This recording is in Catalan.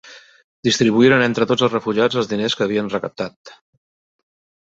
Distribuïren entre tots els refugiats els diners que havien recaptat.